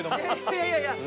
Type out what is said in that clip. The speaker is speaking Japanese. いやいやいや。